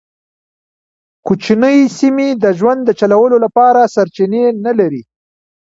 کوچنۍ سیمې د ژوند د چلولو لپاره سرچینې نه لرلې.